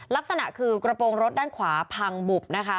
ลักษณะคือกระโปรงรถด้านขวาพังบุบนะคะ